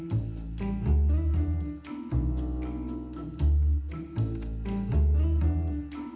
apa biasa bacain dong yang mau